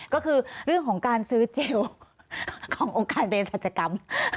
ก็คือเรื่องของการซื้อเจลของโรงการเป็นศัตริกรรม